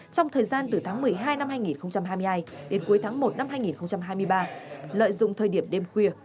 trong thời gian từ tháng một mươi hai năm hai nghìn hai mươi hai đến cuối tháng một năm hai nghìn hai mươi ba lợi dụng thời điểm đêm khuya